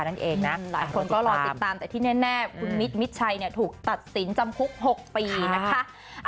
นั่นเองนะหลายคนก็รอติดตามแต่ที่แน่คุณมิดมิดชัยถูกตัดสินจำคุก๖ปีนะคะ